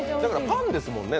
パンですもんね、